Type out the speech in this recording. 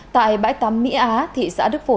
tại bãi tắm mỹ á thị xã đức phổ